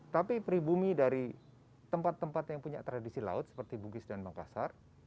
tapi pribumi dari tempat tempat yang punya tradisi laut seperti bugis dan makassar